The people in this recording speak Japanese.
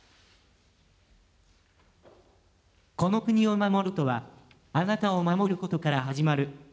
この国を守るとは、あなたを守ることから始まる。